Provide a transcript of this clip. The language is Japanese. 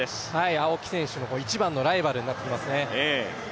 青木選手の一番のライバルになってきますね。